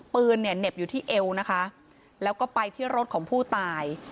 ปืนเนี่ยเหน็บอยู่ที่เอวนะคะแล้วก็ไปที่รถของผู้ตาย